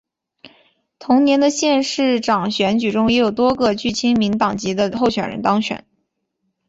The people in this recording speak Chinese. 同年的县市长选举中也有多个具亲民党籍的候选人当选。